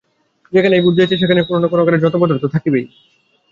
যেখানেই বুদ্ধি আছে, সেখানেই কোন-না-কোন আকারে জড় পদার্থ থাকিবেই থাকিবে।